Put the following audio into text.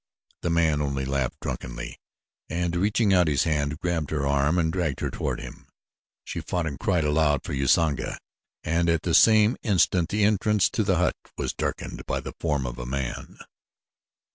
The man only laughed drunkenly, and, reaching out his hand, grabbed her arm and dragged her toward him. She fought and cried aloud for Usanga and at the same instant the entrance to the hut was darkened by the form of a man.